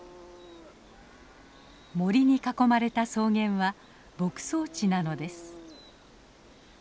森に囲まれた草原は牧草地なのです。